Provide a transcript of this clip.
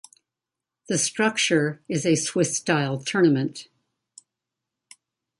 The structure is a Swiss-style tournament.